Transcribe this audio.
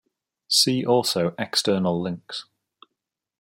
See also External Links.